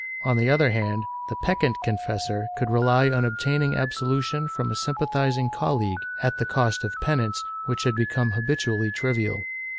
^ On the other hand, the peccant confessor could rely on obtaining absolution from a sympathizing colleague, at the cost of penance which had become habitually trivial.